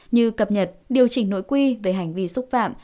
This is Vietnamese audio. như cập nhật điều chỉnh nội quy về hành vi xúc phạm